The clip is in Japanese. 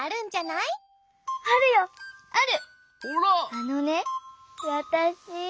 あのねわたし。